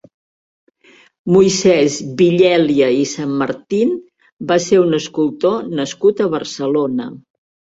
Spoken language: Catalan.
Moisès Villèlia i Sanmartín va ser un escultor nascut a Barcelona.